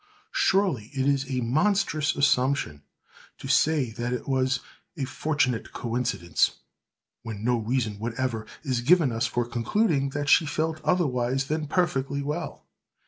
Surely it is a monstrous assumption to say that it was "a fortunate coincidence," when no reason whatever is given us for concluding that she felt otherwise than perfectly well!